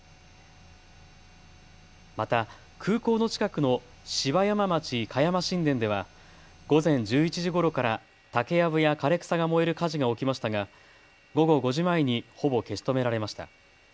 また空港の近くの芝山町香山新田では午前１１時ごろから竹やぶや枯れ草が燃える火事が起きましたが午後５時前にほぼ消し止められました。